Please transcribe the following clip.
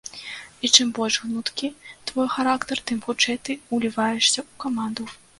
І чым больш гнуткі твой характар, тым хутчэй ты ўліваешся ў каманду.